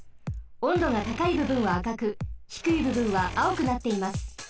温度がたかいぶぶんはあかくひくいぶぶんはあおくなっています。